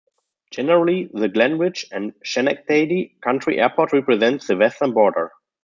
Generally, the Glenridge and Schenectady Country Airport represents the western border.